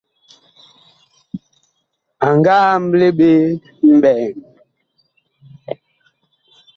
A nga amble ɓe mɓɛɛŋ.